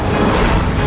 tapi aku sudah ternyata